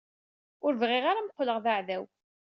Ur bɣiɣ ara ad m-qqleɣ d aɛdaw.